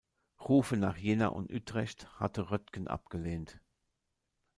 Rufe nach Jena und Utrecht hatte Röntgen abgelehnt.